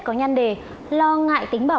có nhân đề lo ngại tính bảo vệ